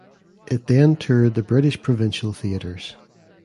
It then toured the British provincial theatres.